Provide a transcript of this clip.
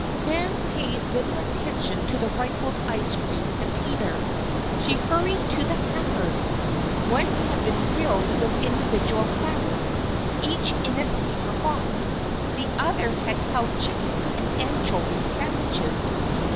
Nan paid little attention to the rifled ice cream container. She hurried to the hampers. One had been filled with individual salads, each in its paper box. The other had held chicken and anchovy sandwiches.